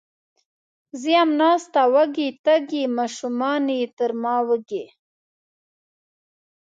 زه یم ناسته وږې، تږې، ماشومانې تر ما وږي